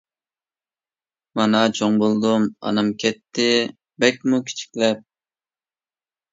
مانا چوڭ بولدۇم، ئانام كەتتى بەكمۇ كىچىكلەپ.